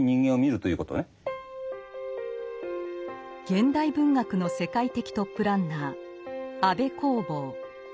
現代文学の世界的トップランナー安部公房。